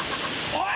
おい！